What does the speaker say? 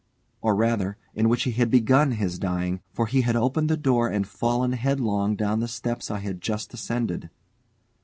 Or, rather, in which he had begun his dying, for he had opened the door and fallen headlong down the steps I had just ascended.